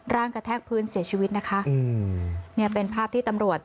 กระแทกพื้นเสียชีวิตนะคะอืมเนี่ยเป็นภาพที่ตำรวจ